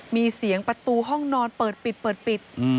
มีเสียงประตูห้องนอนเปิดปิด